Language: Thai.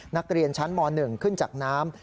นักเรียนชั้นม๑ขึ้นจากน้ำ